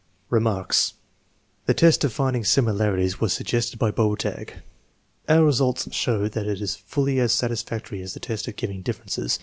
Remarks. The test of finding similarities was suggested by Bobertag. Our results show that it is fully as satis factory as the test of giving differences.